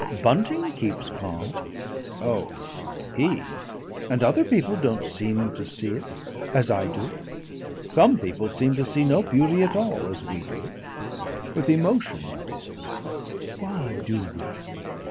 "Bunting keeps calm." "Oh he !" "And other people don't seem to see it as I do." "Some people seem to see no beauty at all, as we do. With emotion, that is." "Why do we?"